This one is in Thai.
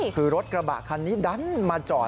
คือรถกระบะคันนี้ดันมาจอด